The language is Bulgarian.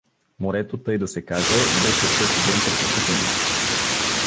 Морето, тъй да се каже, беше всеки ден пред очите им.